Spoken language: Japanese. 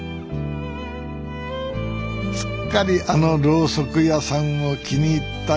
すっかりあのろうそく屋さんを気に入ったようですな